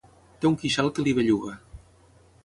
Té un queixal que li belluga.